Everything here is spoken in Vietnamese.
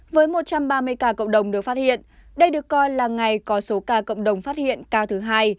với một trăm ba mươi ca cộng đồng được phát hiện đây được coi là ngày có số ca cộng đồng phát hiện cao thứ hai